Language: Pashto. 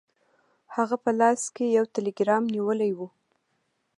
هغه په لاس کې یو ټیلګرام نیولی و.